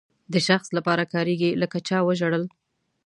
د شخص لپاره کاریږي لکه چا وژړل.